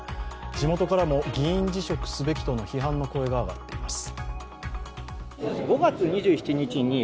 地元からも議員辞職すべきとの批判の声が上がっています。